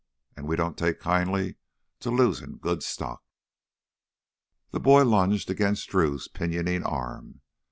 An' we don't take kindly to losin' good stock!" The boy lunged against Drew's pinioning arm.